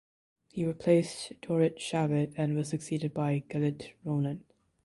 He replaced Dorit Shavit and was succeeded by Galit Ronen.